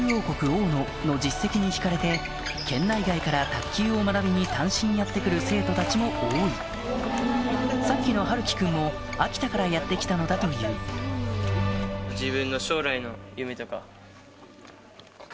大野の実績に引かれて県内外から卓球を学びに単身やって来る生徒たちも多いさっきのはるき君も秋田からやって来たのだというへぇ！